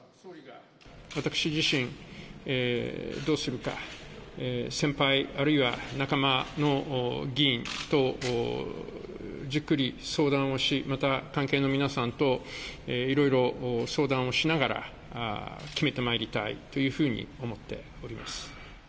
私自身、どうするか、先輩あるいは仲間の議員とじっくり相談をし、また関係の皆さんといろいろ相談をしながら決めてまいりたいというふうに思っております。